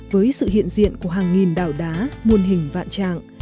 với sự hiện diện của hàng nghìn đảo đá muôn hình vạn trạng